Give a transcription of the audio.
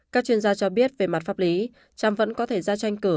các chuyên gia cho biết về mặt pháp lý cham vẫn có thể ra tranh cử